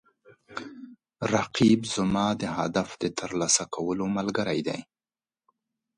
رقیب زما د هدف د ترلاسه کولو ملګری دی